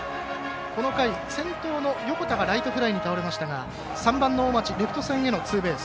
この回、先頭の横田がレフトフライに倒れましたが３番の大町レフト線へのツーベース。